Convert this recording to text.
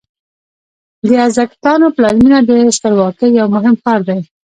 د ازتکانو پلازمینه د سترواکۍ یو مهم ښار و.